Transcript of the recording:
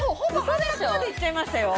半額までいっちゃいましたよ